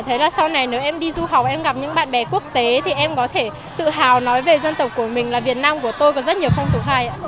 thấy là sau này nếu em đi du học em gặp những bạn bè quốc tế thì em có thể tự hào nói về dân tộc của mình là việt nam của tôi có rất nhiều phong tục hay ạ